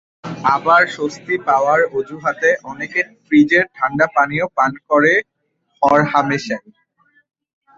আবার স্বস্তি পাওয়ার অজুহাতে অনেকে ফ্রিজের ঠান্ডা পানিও পান করেন হরহামেশাই।